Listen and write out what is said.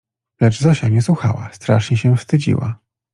Lecz Zosia nie słuchała, strasznie się wstydziła.